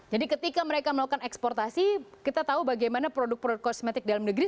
jadi ketika mereka melakukan eksportasi kita tahu bagaimana produk produk kosmetik dalam negeri